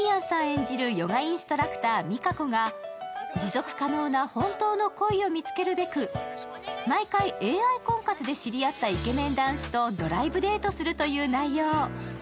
演じるヨガインストラクター・ＭＩＫＡＫＯが持続可能な本当の恋を見つけるべく毎回ＡＩ婚活で知り合ったイケメン男子とドライブデートするという内容。